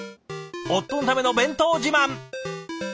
夫のための弁当自慢。